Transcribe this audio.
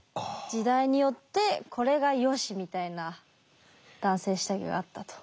時代によってこれがよしみたいな男性下着があったと。